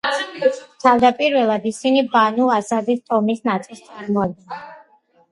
თავადპირველად ისინი ბანუ ასადის ტომის ნაწილს წარმოადგენდნენ.